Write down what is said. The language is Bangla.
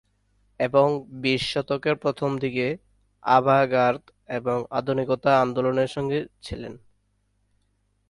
এবং বিশ শতকের প্রথমদিকের আভা-গার্দ এবং আধুনিকতা আন্দোলনের সঙ্গে ছিলেন।